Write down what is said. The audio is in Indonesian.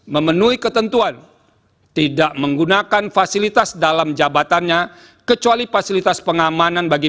memenuhi ketentuan tidak menggunakan fasilitas dalam jabatannya kecuali fasilitas pengamanan bagi